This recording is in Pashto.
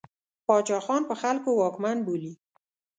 پاچا ځان په خلکو واکمن بولي.